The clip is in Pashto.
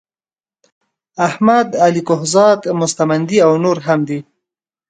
احمد علی کهزاد مستمندي او نور هم دي.